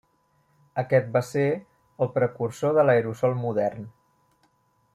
Aquest va ser el precursor de l'aerosol modern.